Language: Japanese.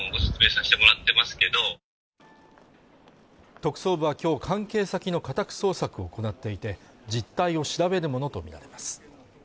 特捜部はきょう関係先の家宅捜索を行っていて実態を調べるものと見られます